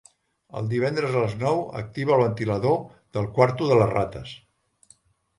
Els divendres a les nou activa el ventilador del quarto de les rates.